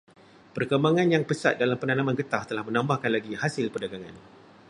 Perkembangan yang pesat dalam penanaman getah telah menambahkan lagi hasil perdagangan.